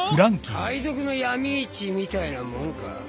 海賊の闇市みたいなもんか。